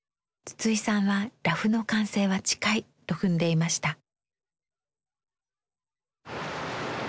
筒井さんはラフの完成は近いと踏んでいました。